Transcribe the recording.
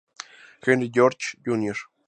Henry George, Jr.